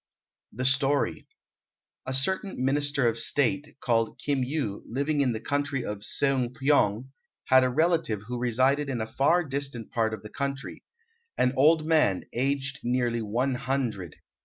] The Story A certain Minister of State, called Kim Yu, living in the County of Seung pyong, had a relative who resided in a far distant part of the country, an old man aged nearly one hundred.